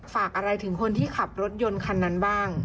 ฝากอะไรถึงคนที่ขับรถยนต์คันนั้นบ้าง